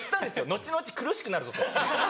後々苦しくなるぞと。